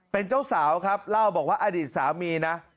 เป็นเจ้าสาวครับเล่าบอกว่าอดีตสามีนะ